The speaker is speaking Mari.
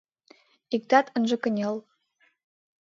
Иктат ынже кынел!